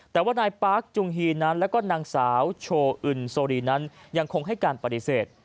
แต่ว่านายปาร์คจุงฮีนั้นแล้วก็นางสาวโชว์อึนโซรีนั้นยังคงให้การปฏิเสธ